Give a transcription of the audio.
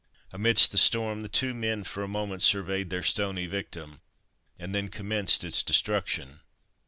Amidst the storm the two men for a moment surveyed their stony victim, and then commenced its destruction.